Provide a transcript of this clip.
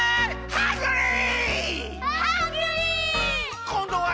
ハングリー！